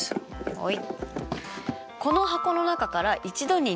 はい。